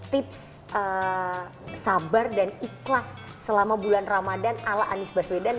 tips sabar dan ikhlas selama bulan ramadan ala anies baswedan